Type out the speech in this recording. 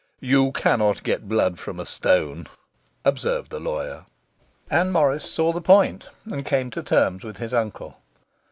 'You cannot get blood from a stone,' observed the lawyer. And Morris saw the point and came to terms with his uncle.